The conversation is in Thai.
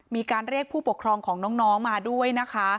มีการเรียกผู้ปกครองของน้องมาด้วยนะคะ